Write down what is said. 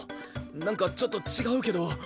なんかちょっと違うけど。